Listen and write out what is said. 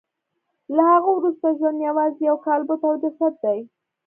له هغه وروسته ژوند یوازې یو کالبد او جسد دی